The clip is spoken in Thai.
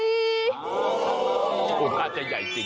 อ๋ออุทธิ์อาจจะใหญ่จริง